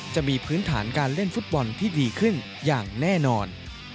จะมีพื้นฐานการเล่นฟุตบอลที่ดีขึ้นอย่างแน่นอน